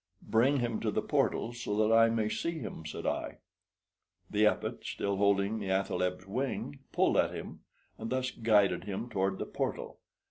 "Bring him to the portal, so that I may see him," said I. The Epet, still holding the athaleb's wing, pulled at him, and thus guided him toward the portal.